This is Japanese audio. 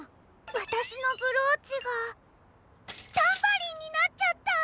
わたしのブローチがタンバリンになっちゃった！